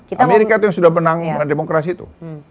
amerika itu yang sudah menang dengan demokrasi itu